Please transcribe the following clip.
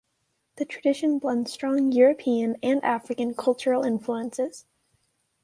The tradition blends strong European and African cultural influences.